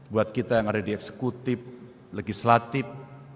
buat kita yang ada di eksekutif legislatif